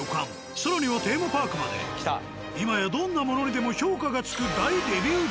更にはテーマパークまで今やどんなものにでも評価がつく。